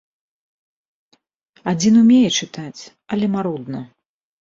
Адзін умее чытаць, але марудна.